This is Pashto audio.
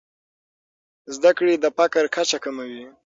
زده کړې د فقر کچه کموي.